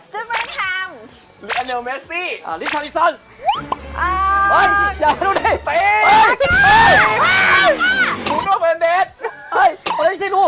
เฮ้ยเอาได้ที่ชิดหู